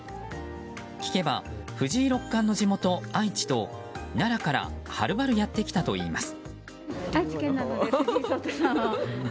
聞けば、藤井六冠の地元・愛知と奈良からはるばるやってきたといいます。